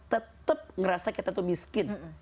tetap ngerasa kita tuh miskin